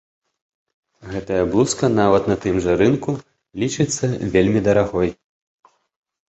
Гэтая блузка, нават на тым жа рынку, лічыцца вельмі дарагой.